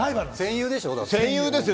戦友ですよ